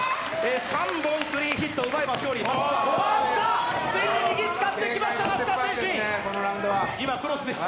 ３本クリーンヒットを奪えば勝利です。